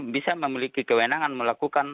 bisa memiliki kewenangan melakukan